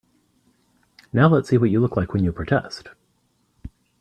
Now let's see what you look like when you protest.